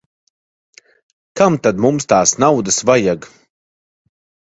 Kam tad mums tās naudas vajag.